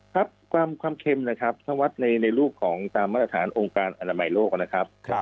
ครับความเค็มนะครับถ้าวัดในรูปของตามมาตรฐานองค์การอนามัยโลกนะครับ